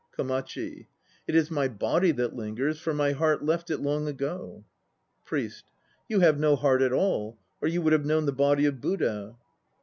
KOMACHI. It is my body that lingers, for my heart left it long ago. PRIEST. You have no heart at all, or you would have known the Body of iddha.